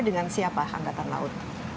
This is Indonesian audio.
dengan siapa angkatan laut